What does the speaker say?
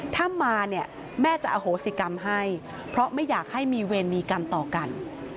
ถ้ามาเนี่ยแม่จะอโหสิกรรมให้เพราะไม่อยากให้มีเวรมีกรรมต่อกัน